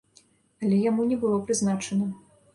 Але яму не было прызначана.